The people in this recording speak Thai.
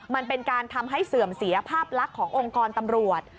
มันเป็นการทำให้เสื่อมเสียภาพลักษณ์ขององค์กรตำรวจ